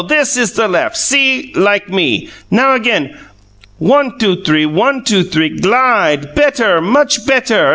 This is the left! See like me! Now again! One two three; one two three glide! Better! Much better!